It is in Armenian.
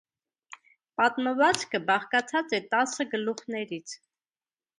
Պատմվածքը բաղկացած է տասը գլուխներից։